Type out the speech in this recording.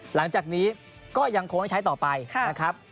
หลังจากนี้ก็ยังคงไม่ใช้ต่อไปนะครับ